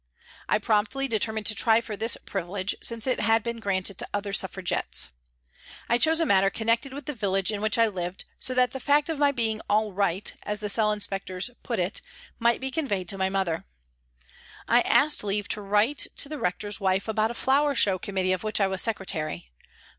I promptly determined to try for this privilege, since it had been granted to other Suffragists. I chose a matter connected with the village in which I lived, so that the fact of my being " all right," as the cell inspectors put it, might be conveyed to my mother. I asked leave to write to the Rector's wife about a flower show committee of which I was secretary.